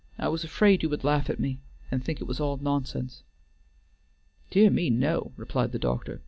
I was afraid you would laugh at me, and think it was all nonsense." "Dear me, no," replied the doctor.